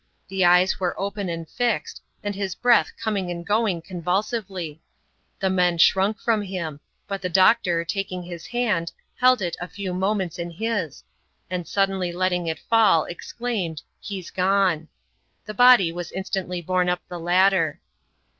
The ejres were open and fixed, and his breath coming and going eonTulsively. The men shrunk from him; but the doctor, taking his hand, held it a few moments in his, and suddenly letting it ficill, exclaimed, " He's gone!" The body was instantly borne up the ladder.